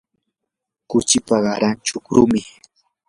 kuchipa qaran chukrumi.